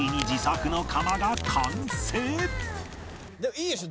いいでしょ？